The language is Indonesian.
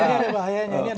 ini ada bahayanya